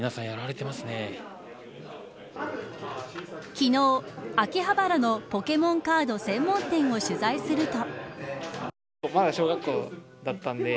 昨日、秋葉原のポケモンカード専門店を取材すると。